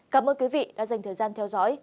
cảm ơn quý vị đã dành thời gian theo dõi